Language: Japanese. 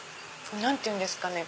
何て言うんですかね